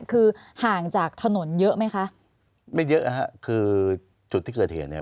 คือห่างจากถนนเยอะไหมคะไม่เยอะนะฮะคือจุดที่เกิดเหตุเนี่ย